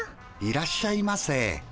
いらっしゃいませ。